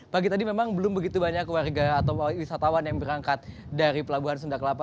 pagi tadi memang belum begitu banyak warga atau wisatawan yang berangkat dari pelabuhan sunda kelapa